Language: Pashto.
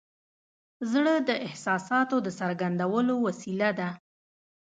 زړه د احساساتو د څرګندولو وسیله ده.